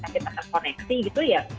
kita terkoneksi gitu ya